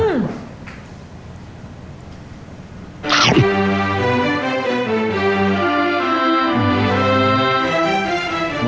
อืม